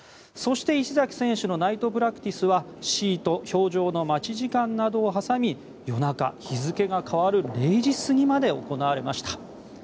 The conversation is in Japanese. そして、石崎選手のナイトプラクティスはシート、氷上の待ち時間などを挟み夜中、日付が変わる０時過ぎまで行われました。